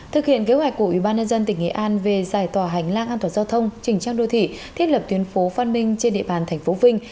thực hiện kế hoạch của ubnd tỉnh nghệ an về giải tỏa hành lang an toàn giao thông chỉnh trang đô thị thiết lập tuyến phố phan minh trên địa bàn thành phố vinh